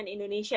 di cnn indonesia